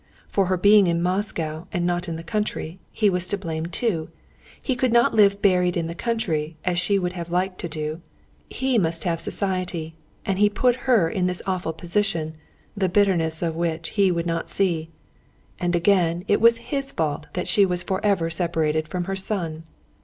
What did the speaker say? For her being in Moscow and not in the country, he was to blame too. He could not live buried in the country as she would have liked to do. He must have society, and he had put her in this awful position, the bitterness of which he would not see. And again, it was his fault that she was forever separated from her son.